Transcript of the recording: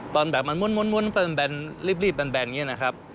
ตอนแบกมันมุนแบนรีบแบนอย่างนี้นะครับ